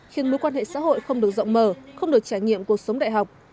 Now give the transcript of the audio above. khiến mối quan hệ xã hội không được rộng mở không được trải nghiệm cuộc sống đại học